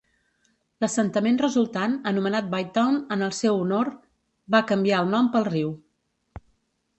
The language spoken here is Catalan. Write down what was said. L'assentament resultant, anomenat Bytown en el seu honor, va canviar el nom pel riu.